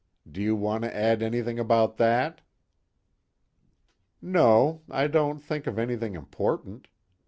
Do you want to add anything about that?" "No, I don't think of anything important.